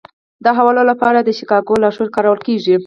د حوالو لپاره د شیکاګو لارښود کارول کیږي.